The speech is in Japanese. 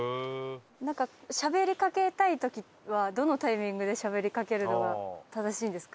しゃべりかけたい時はどのタイミングでしゃべりかけるのが正しいんですか？